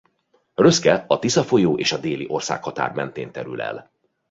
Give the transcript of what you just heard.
Röszke a Tisza folyó és a déli országhatár mentén terül el.